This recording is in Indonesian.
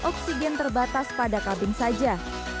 oksigen terbatas pada kabin saja